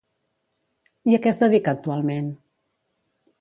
I a què es dedica, actualment?